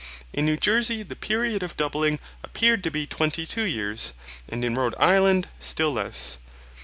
In New Jersey the period of doubling appeared to be twenty two years; and in Rhode island still less.